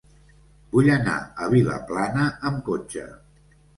Vull anar a Vilaplana amb cotxe.